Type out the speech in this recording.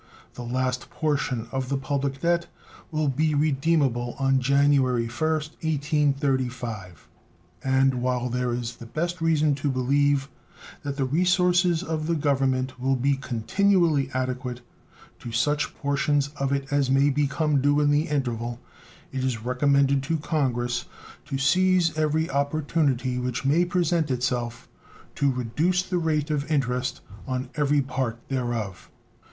The last portion of the public debt will be redeemable on January 1st, 1835, and, while there is the best reason to believe that the resources of the Government will be continually adequate to such portions of it as may become due in the interval, it is recommended to Congress to seize every opportunity which may present itself to reduce the rate of interest on every part thereof.